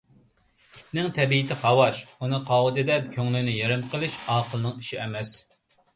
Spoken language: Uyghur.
ئىتنىڭ تەبىئىتى قاۋاش. ئۇنى قاۋىدى دەپ، كۆڭۈلنى يېرىم قىلىش ئاقىلنىڭ ئىشى ئەمەس.